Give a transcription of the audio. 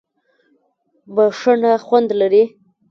بښنه خوند لري.